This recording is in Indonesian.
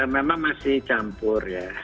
memang masih campur ya